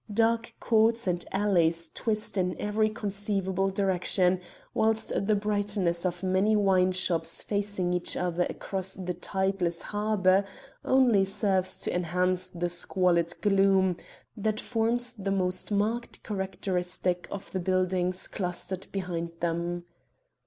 Dark courts and alleys twist in every conceivable direction, while the brightness of the many wine shops facing each other across the tideless harbour only serves to enhance the squalid gloom that forms the most marked characteristic of the buildings clustered behind them.